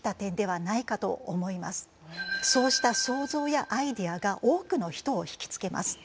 そうした想像やアイデアが多くの人を引き付けます。